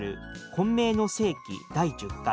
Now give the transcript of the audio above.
「混迷の世紀第１０回